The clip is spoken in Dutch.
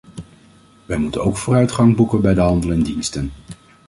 Wij moeten ook vooruitgang boeken bij de handel in diensten.